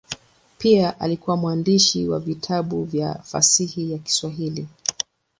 Pia alikuwa mwandishi wa vitabu vya fasihi ya Kiswahili.